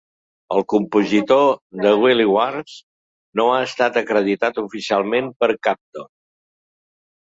El compositor de "Wily Wars" no ha estat acreditat oficialment per Capcom.